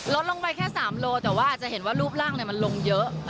ลดลงไปแค่๓โลแต่ว่าอาจจะเห็นว่ารูปร่างมันลงเยอะ